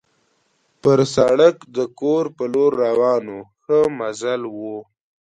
پر سړک د کور په لور روان وو، ښه مزل وو.